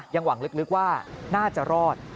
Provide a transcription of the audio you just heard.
หวังลึกว่าน่าจะรอด